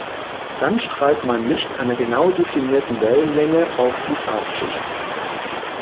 Dann strahlt man Licht einer genau definierten Wellenlänge auf die Farbschicht.